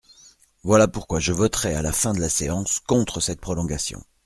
Voilà pourquoi je voterai à la fin de la séance contre cette prolongation.